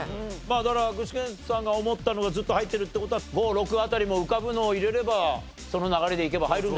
だから具志堅さんが思ったのがずっと入ってるって事は５６辺りも浮かぶのを入れればその流れでいけば入るんじゃないでしょうか？